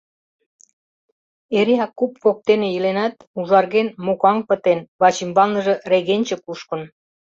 Эреак куп воктене иленат, ужарген, мокаҥ пытен, вачӱмбалныже регенче кушкын.